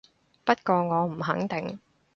不過我唔肯定